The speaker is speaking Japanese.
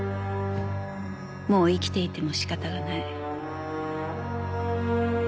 もう生きていても仕方がない。